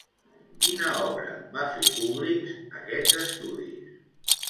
Quina obra va fer públics aquests estudis?